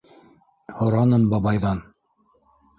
Һораным бабайҙан.